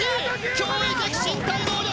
驚異的身体能力！